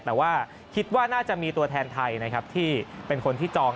แต่ว่าคิดว่าน่าจะมีตัวแทนไทยนะครับที่เป็นคนที่จอง